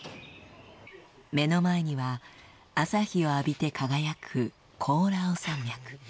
目の前には朝日を浴びて輝くコオラウ山脈。